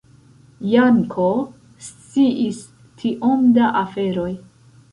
Janko sciis tiom da aferoj!